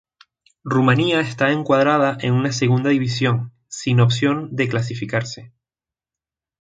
Rumanía estaba encuadrada en una segunda división, sin opción de clasificarse.